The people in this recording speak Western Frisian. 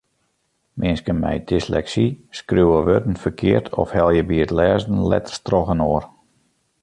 Minsken mei dysleksy skriuwe wurden ferkeard of helje by it lêzen letters trochinoar.